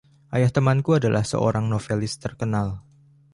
Ayah temanku adalah seorang novelis terkenal.